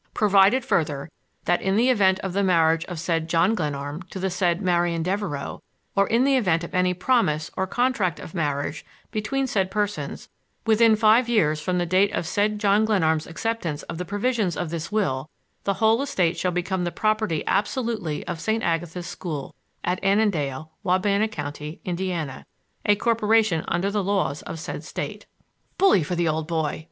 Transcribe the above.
Provided, further, that in the event of the marriage of said John Glenarm to the said Marian Devereux, or in the event of any promise or contract of marriage between said persons within five years from the date of said John Glenarm's acceptance of the provisions of this will, the whole estate shall become the property absolutely of St. Agatha's School at Annandale, Wabana County, Indiana, a corporation under the laws of said state. "Bully for the old boy!"